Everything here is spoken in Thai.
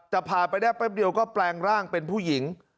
แต่ผ่านไปได้แป๊บเดียวก็แปลงร่างเป็นผู้หญิง